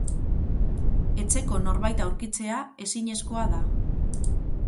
Etxeko norbait aurkitzea ezinezkoa da.